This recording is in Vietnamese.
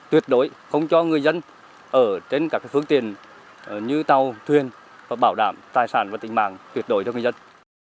tuyệt đối không cho người dân ở trên các phương tiện như tàu thuyền và bảo đảm tài sản và tình mạng tuyệt đối cho người dân